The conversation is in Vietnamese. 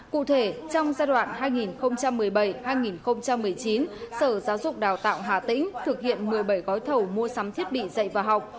cụ thể trong giai đoạn hai nghìn một mươi bảy hai nghìn một mươi chín sở giáo dục đào tạo hà tĩnh thực hiện một mươi bảy gói thầu mua sắm thiết bị dạy và học